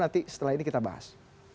nanti setelah ini kita bahas